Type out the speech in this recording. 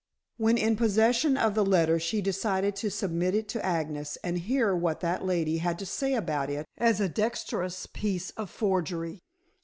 When in possession of the letter she decided to submit it to Agnes and hear what that lady had to say about it as a dexterous piece of forgery.